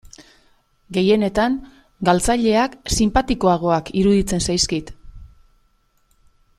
Gehienetan galtzaileak sinpatikoagoak iruditzen zaizkit.